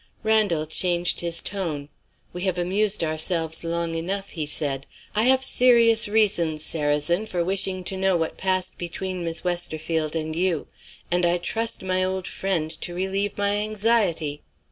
Randal changed his tone. "We have amused ourselves long enough," he said. "I have serious reasons, Sarrazin, for wishing to know what passed between Miss Westerfield and you and I trust my old friend to relieve my anxiety."